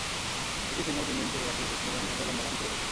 একটি সিগন্যাল দুই মিনিট ধরে রাখলেই পেছনে যানবাহনের লম্বা লাইন পড়ে যায়।